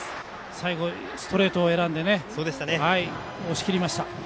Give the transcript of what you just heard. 最後ストレートを選んで押し切りました。